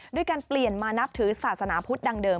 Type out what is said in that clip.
ด้วยการเปลี่ยนมานับถือศาสนาพุทธดังเดิม